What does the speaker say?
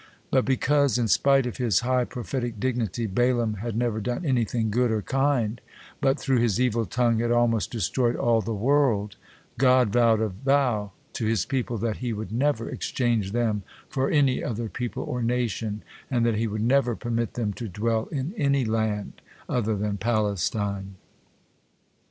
But because, in spite of his high prophetic dignity, Balaam had never done anything good or kind, but through his evil tongue had almost destroyed all the world, God vowed a vow to His people that He would never exchange them for any other people or nation, and that He would never permit them to dwell in any land other than Palestine.